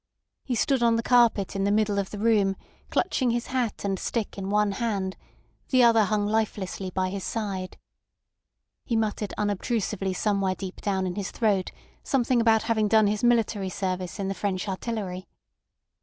He stood on the carpet in the middle of the room, clutching his hat and stick in one hand; the other hung lifelessly by his side. He muttered unobtrusively somewhere deep down in his throat something about having done his military service in the French artillery.